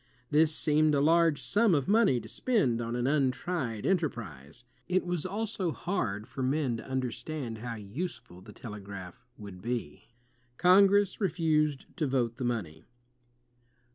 This seemed a large sum of money to spend on an untried enterprise. It was also hard for men to understand how useful the telegraph would be. Congress refused to vote the money.